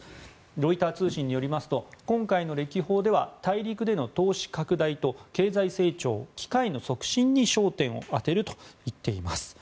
ロイター通信によりますと今回の歴訪では大陸での投資拡大と経済成長、機会の促進に焦点を当てると言っています。